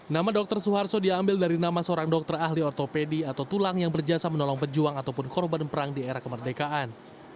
nama dr suharto diambil dari nama seorang dokter ahli ortopedi atau tulang yang berjasa menolong pejuang ataupun korban perang di era kemerdekaan